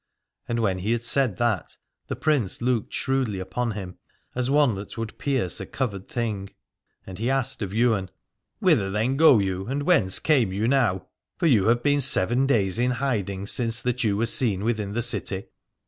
And when he had said that the Prince looked shrewdly upon him, as one that would pierce a covered thing, and he asked of Ywain : Whither then go you, and whence came you now ? For you have been seven days in hiding, since that you were seen within the city.